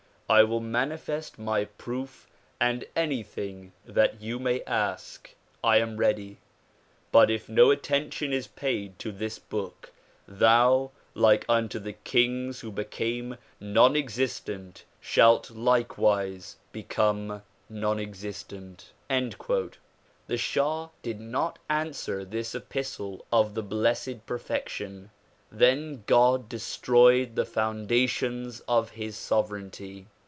I will manifest my proof and anything that you may ask. I am ready. But if no attention is paid to this book, thou, like unto the kings who became non existent shalt likewise become non existent." The shah did not answer this epistle of the Blessed Perfection. Then God destroyed the foundations of his sovereignty.